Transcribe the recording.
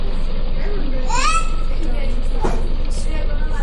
পুরো একটা প্রজন্মের কাছে ক্যারিবীয় ক্রিকেট নিয়ে গর্ব করার কিছুই নেই।